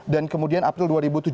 dan kemudian april dua ribu tujuh belas